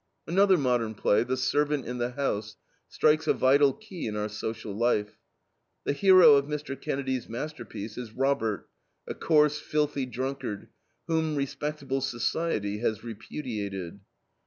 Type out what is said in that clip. Another modern play, THE SERVANT IN THE HOUSE, strikes a vital key in our social life. The hero of Mr. Kennedy's masterpiece is Robert, a coarse, filthy drunkard, whom respectable society has repudiated.